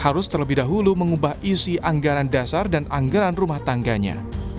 harus terlebih dahulu mengubah isi anggaran dasar dan anggaran rumah tangganya